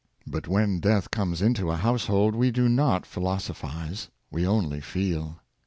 But when death comes into a household, we do not pPiilosophize — we only feel.